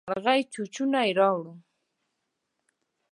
مرغۍ چوچوڼی راووړ.